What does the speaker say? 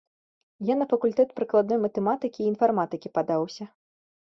Я на факультэт прыкладной матэматыкі і інфарматыкі падаўся.